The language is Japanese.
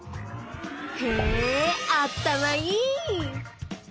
へあったまいい！